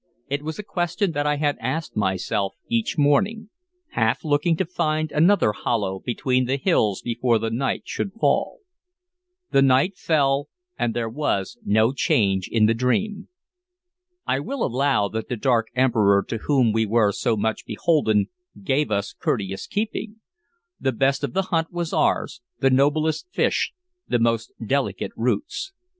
It was a question that I asked myself each morning, half looking to find another hollow between the hills before the night should fall. The night fell, and there was no change in the dream. I will allow that the dark Emperor to whom we were so much beholden gave us courteous keeping. The best of the hunt was ours, the noblest fish, the most delicate roots.